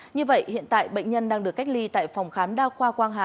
như vậy hiện tại bệnh nhân đang được cách ly tại phòng khám đa khoa quang hà